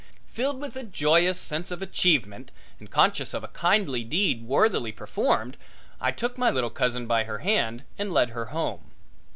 Filled with a joyous sense of achievement and conscious of a kindly deed worthily performed, I took my little cousin by her hand and led her home.